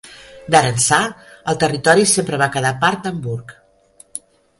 D'ara ençà, el territori sempre va quedar part d'Hamburg.